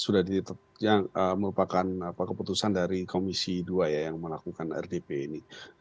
sudah ditetapkan yang merupakan keputusan dari komisi dua yang melakukan rdp ini